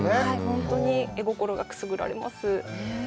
本当に絵心がくすぐられます。